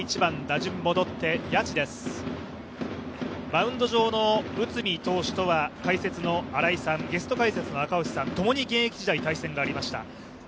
マウンド上の内海投手とは解説の新井さん、ゲスト解説の赤星さん、共に現役時代、対戦がありました。